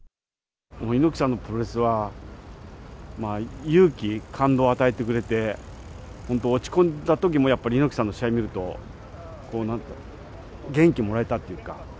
猪木さんのプロレスは、勇気、感動を与えてくれて、本当、落ち込んだときもやっぱり、猪木さんの試合を見ると、なんだろう、元気もらえたっていうか。